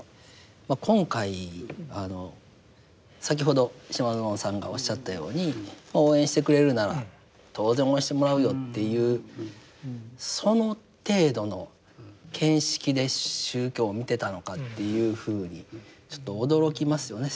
今回先ほど島薗さんがおっしゃったように応援してくれるなら当然応援してもらうよっていうその程度の見識で宗教を見てたのかっていうふうにちょっと驚きますよね。